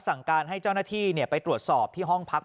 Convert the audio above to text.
สั่งการให้เจ้าหน้าที่ไปตรวจสอบที่ห้องพัก